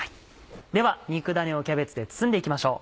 では肉ダネをキャベツで包んで行きましょう。